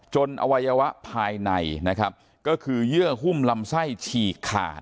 อวัยวะภายในนะครับก็คือเยื่อหุ้มลำไส้ฉีกขาด